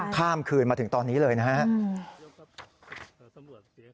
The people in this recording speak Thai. ข้ามคืนมาถึงตอนนี้เลยนะครับ